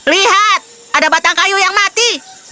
lihat ada batang kayu yang mati